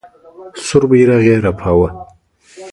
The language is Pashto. سور بیرغ یې رپاوه.